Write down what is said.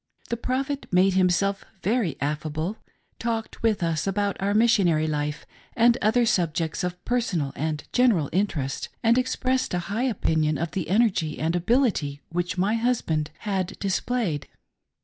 The Prophet made himself very affable ; talked with us about our missionary life and other subjects of personal and general interest ; and expressed a high opinion , of the energy and ability which my husband had displayed.